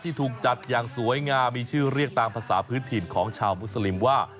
ถูกจัดอย่างสวยงามมีชื่อเรียกตามภาษาพื้นถิ่นของชาวมุสลิมว่า